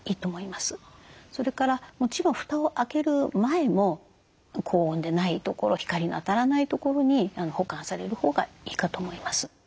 それからもちろんふたを開ける前も高温でない所光の当たらない所に保管されるほうがいいかと思います。